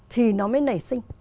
thì nó mới nảy sinh